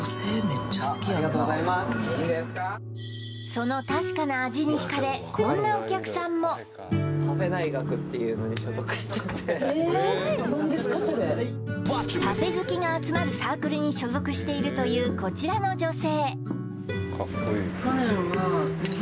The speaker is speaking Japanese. その確かな味にひかれこんなお客さんもパフェ好きが集まるサークルに所属しているというこちらの女性